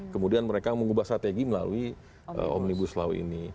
kemudian mereka mengubah strategi melalui omnibus law ini